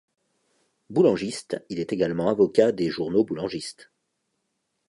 Boulangiste, il est également avocat des journaux boulangistes.